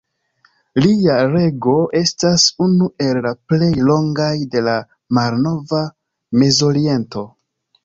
Lia rego estas unu el la plej longaj de la malnova Mezoriento.